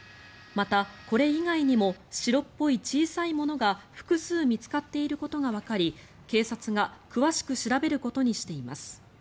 また、これ以外にも白っぽい小さいものが複数、見つかっていることがわかり警察が詳しく調べることにしています。